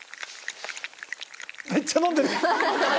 めっちゃ飲んでる！